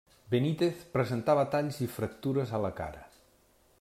Benítez presentava talls i fractures a la cara.